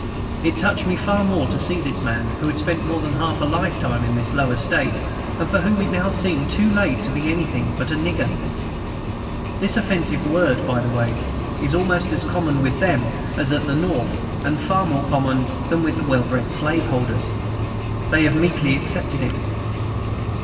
It touched me far more to see this man, who had spent more than half a lifetime in this low estate, and for whom it now seemed too late to be anything but a "nigger." This offensive word, by the way, is almost as common with them as at the North, and far more common than with well bred slaveholders. They have meekly accepted it.